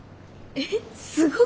えっすごくない？